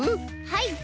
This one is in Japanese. はい！